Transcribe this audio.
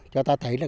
cho ta thấy là